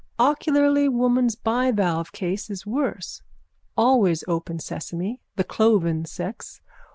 _ Ocularly woman's bivalve case is worse. Always open sesame. The cloven sex.